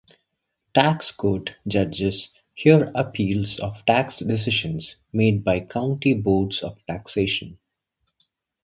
Tax Court judges hear appeals of tax decisions made by County Boards of Taxation.